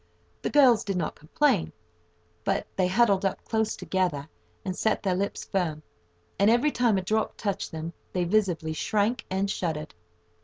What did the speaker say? The girls did not complain, but they huddled up close together, and set their lips firm, and every time a drop touched them, they visibly shrank and shuddered.